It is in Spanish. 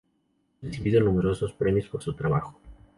Ha recibido numerosos premios por su trabajo.